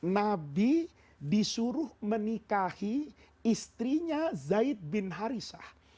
nabi disuruh menikahi istrinya zaid bin harisyah